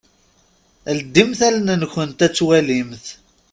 Ldimt allen-nkunt ad twalimt.